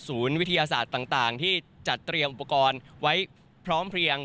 วิทยาศาสตร์ต่างที่จัดเตรียมอุปกรณ์ไว้พร้อมเพลียง